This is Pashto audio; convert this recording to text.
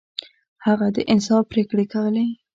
هغه د انصاف پریکړې کولې.